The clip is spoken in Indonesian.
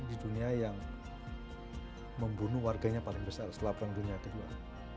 di dunia yang membunuh warganya paling besar setelah perang dunia kedua